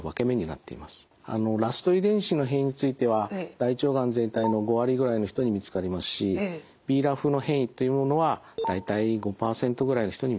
ＲＡＳ遺伝子の変異については大腸がん全体の５割ぐらいの人に見つかりますしＢＲＡＦの変異というものは大体５％ぐらいの人に見つかります。